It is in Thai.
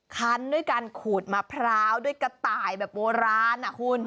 คันด้วยการขูดมะพร้าวด้วยกระต่ายแบบโบราณคุณ